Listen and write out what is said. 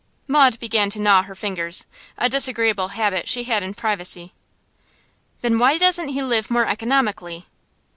Maud began to gnaw her fingers, a disagreeable habit she had in privacy. 'Then why doesn't he live more economically?